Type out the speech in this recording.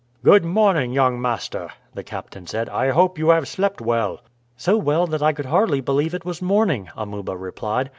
"Good morning, young master!" the captain said. "I hope you have slept well." "So well that I could hardly believe it was morning," Amuba replied.